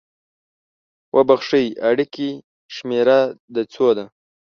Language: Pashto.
اوبښئ! اړیکې شمیره د څو ده؟